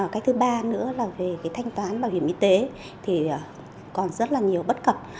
cái thứ ba nữa là về cái thanh toán bảo hiểm y tế thì còn rất là nhiều bất cập